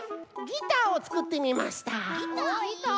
ギターをつくってみました。